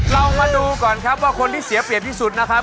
เรามาดูก่อนครับว่าคนที่เสียเปรียบที่สุดนะครับ